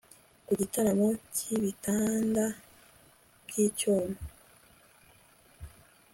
Ku gitambaro cyibitanda byicyuma